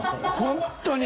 本当に。